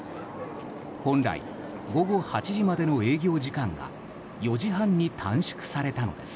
本来、午後８時までの営業時間が４時半に短縮されたのです。